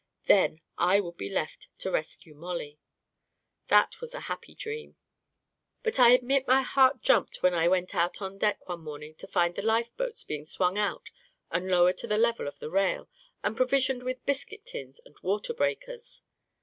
Then I would be left to rescue Mollie I That was a happy dream; but I admit my heart jumped when I went out on deck one morning to find the life boats being swung out and lowered to the level of the rail, and provisioned with biscuit tins and water breakers.